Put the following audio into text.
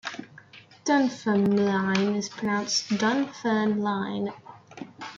"Dunfermline" is pronounced Done-fern-lien.